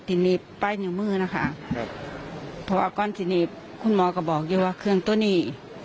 ทีนี้ป้ายนิ้วมือนะคะครับเพราะว่าก้อนที่นี่คุณหมอก็บอกอยู่ว่าเครื่องตัวนี้